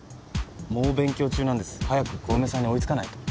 猛勉強中なんです早く小梅さんに追いつかないと。